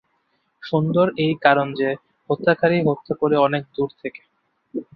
সুন্দর এই কারণে যে, হত্যকারী হত্যা করে অনেক দূর থেকে।